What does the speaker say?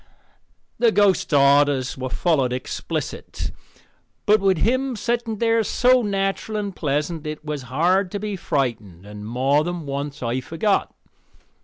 The ghost's orders were followed explicit. But with him setting there so natural and pleasant it was hard to be frightened and more than once I forgot.